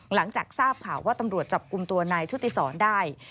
หลังจากทราบข่าวว่าตำรวจจับกลุ่มตัวนายชุติศรได้